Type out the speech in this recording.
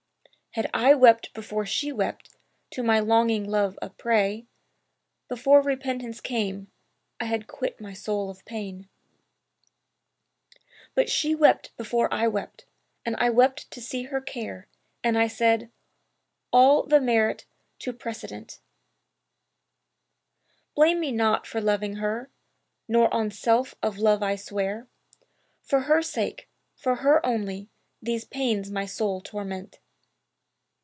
Had I wept before she wept, to my longing love a prey, Before repentance came, I had quit my soul of pain; But she wept before I wept and I wept to see her care And I said, 'All the merit to precedent;'[FN#291] Blame me not for loving her, now on self of Love I swear For her sake, for her only, these pains my soul torment.